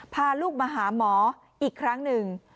พาลูกมาหาหมออีกครั้งหนึ่ง